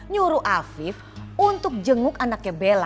nyuruh afif untuk jenguk anaknya bella